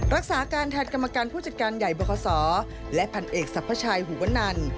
รักษาการแทนกรรมการผู้จัดการใหญ่บคศและพันเอกสรรพชัยหุวนัน